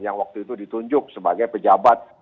yang waktu itu ditunjuk sebagai pejabat